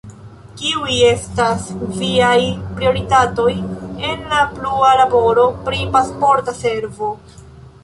Kiuj estas viaj prioritatoj en la plua laboro pri Pasporta Servo?